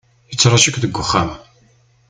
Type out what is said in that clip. Yettraju-k deg uxxam.